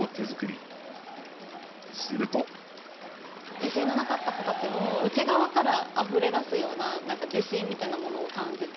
自信のなかった子たちも内側からあふれ出すような自信みたいなものを感じて。